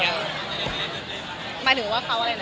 ก็เลยเอาข้าวเหนียวมะม่วงมาปากเทียน